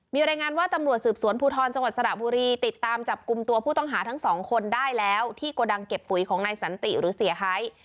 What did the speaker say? มีรายงานว่าตำรวจสืบสวนภูทรจังหวัดสระบุรีติดตามจับกลุ่มตัวผู้ต้องหาทั้งสองคนได้แล้วที่โกดังเก็บปุ๋ยของนายสันติหรือเสียหาย